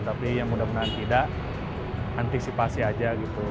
tapi ya mudah mudahan tidak antisipasi aja gitu